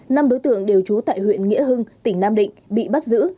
năm đối tượng đều trú tại huyện nghĩa hưng tỉnh nam định bị bắt giữ